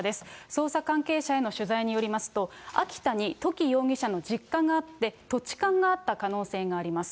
捜査関係者への取材によりますと、秋田に土岐容疑者の実家があって、土地勘があった可能性があります。